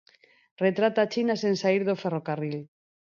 Retrata China sen saír do ferrocarril.